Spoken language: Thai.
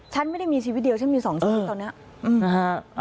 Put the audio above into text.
ฉันไม่ได้มีชีวิตเดียวฉันมีสองชีวิตตอนเนี้ยอืมนะฮะ